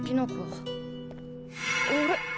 あれ？